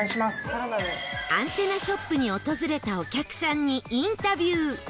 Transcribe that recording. アンテナショップに訪れたお客さんにインタビュー